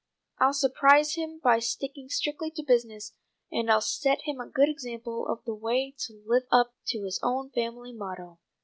I'll surprise him by sticking strictly to business, and I'll set him a good example of the way to live up to his own family motto."